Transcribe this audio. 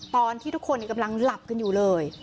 ตอนที่ทุกคนกำลังหลับกันอยู่เลย